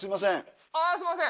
すいません。